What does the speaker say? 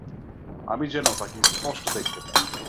আমি যেন তাঁকে স্পষ্ট দেখতে পাই।